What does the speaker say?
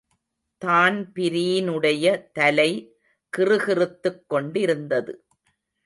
தான்பிரீனுடைய தலை கிறுகிறுத்துக் கொண்டிருந்தது.